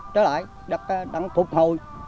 trở lại đang phục hồi